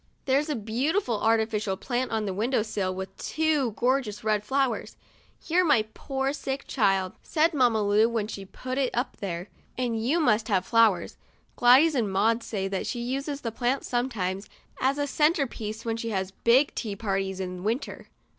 There's a beautiful artificial plant on the win dow sill, with two gorgeous red flowers. " You're my poor sick child," said Mamma Lu when she put it up there, "and you must have flowers." Gladys and Maud say that she uses the plant sometimes as a center piece when she has big tea parties, in winter.